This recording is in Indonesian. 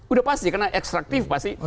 udah pasti karena ekstraktif pasti